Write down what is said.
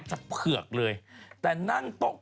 จากกระแสของละครกรุเปสันนิวาสนะฮะ